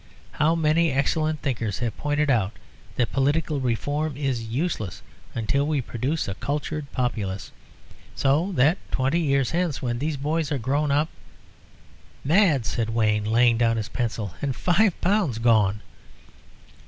How many excellent thinkers have pointed out that political reform is useless until we produce a cultured populace. So that twenty years hence, when these boys are grown up " "Mad!" said Wayne, laying down his pencil; "and five pounds gone!"